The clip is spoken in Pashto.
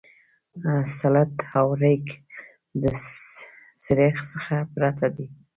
سلټ او ریګ د سریښ څخه پرته دي